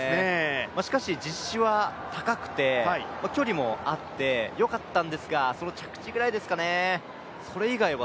しかし実施は高くて距離もあって、よかったんですが着地ぐらいですかね。